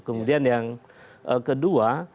kemudian yang kedua